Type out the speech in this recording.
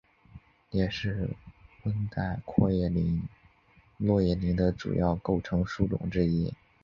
也是温带阔叶落叶林的主要构成树种之一。